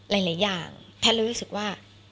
หลายอย่างแพทย์เลยรู้สึกว่า